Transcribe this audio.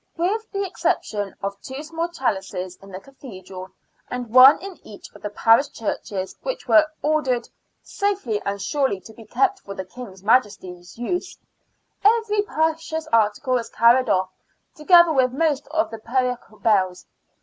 With the exception of two small chalices in the Cathedral, and one in each of the parish churches, which were ordered " safely and surely to be kept for the King's Majesty's use," every precious article was carried off, together with most of the parochial bells.